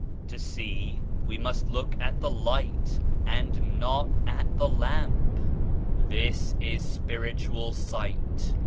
To see, we must look at the Light and not at the Lamp. This is Spiritual Sight.